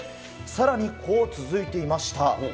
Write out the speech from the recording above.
さらに、こう続いていました。